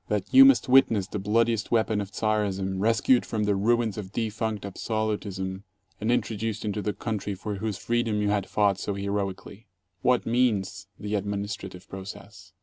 That you must witness the bloodiest weapon of Czarism rescued from the ruins of defunct absolutism and introduced into the country for whose freedom you had fought so heroically! What means the administrative process?